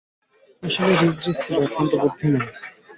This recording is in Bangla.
আসলে, রিজ রিজ ছিলো অত্যন্ত বুদ্ধিমান।